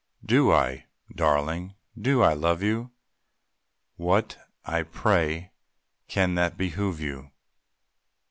Do I, Darling, do I love you? What, I pray, can that behoove you?